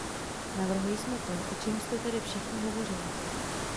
Navrhli jsme to, o čem jste tady všichni hovořili.